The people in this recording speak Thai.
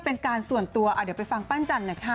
เป็นการส่วนตัวเดี๋ยวไปฟังปั้นจันทร์